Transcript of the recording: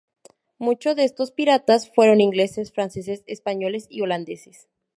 Muchos de estos piratas fueron ingleses, franceses, españoles y holandeses.